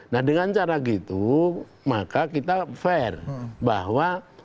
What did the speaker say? nah dengan cara gitu maka kita fair bahwa